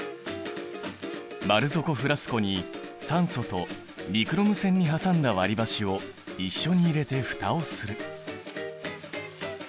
丸底フラスコに酸素とニクロム線に挟んだ割りばしを一緒に入れて蓋をする。